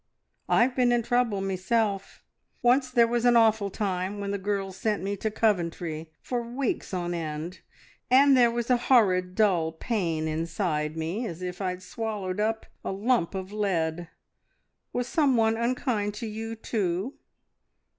I've been in trouble meself. Once there was an awful time when the girls sent me to Coventry for weeks on end, and there was a horrid dull pain inside me, as if I'd swallowed up a lump of lead. Was someone unkind to you too?"